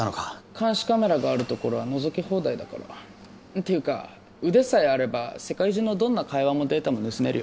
監視カメラがあるところはのぞき放題だからっていうか腕さえあれば世界中のどんな会話もデータも盗めるよ